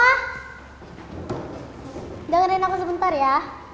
jangan dengerin aku sebentar ya